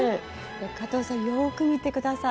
加藤さんよく見て下さい。